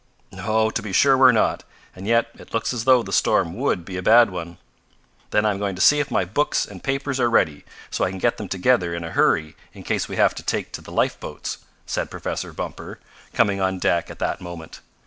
"No, to be sure we're not. And yet it looks as though the storm would be a bad one." "Then I am going to see if my books and papers are ready, so I can get them together in a hurry in case we have to take to the life boats," said Professor Bumper, coming on deck at that moment.